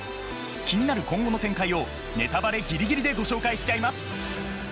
気になる今後の展開をネタバレぎりぎりでご紹介しちゃいます。